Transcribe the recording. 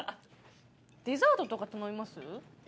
デザートとか頼みます？